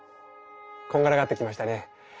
こんがらがってきましたね？